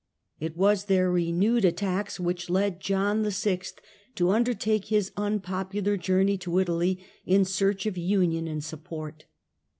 It was their renewed attacks which led John VI. to undertake his unpopular journey to Italy in search of union and support.